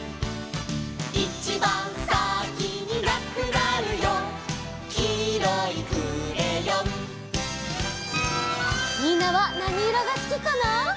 「いちばんさきになくなるよ」「きいろいクレヨン」みんなはなにいろがすきかな？